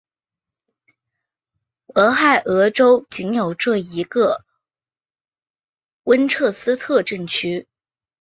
俄亥俄州仅有这一个温彻斯特镇区。